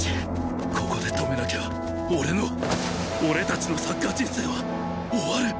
ここで止めなきゃ俺の俺たちのサッカー人生は終わる！